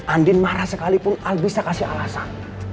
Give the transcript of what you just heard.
andin marah sekalipun al bisa kasih alasan